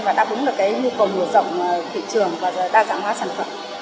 và đáp ứng được cái nhu cầu mở rộng thị trường và đa dạng hóa sản phẩm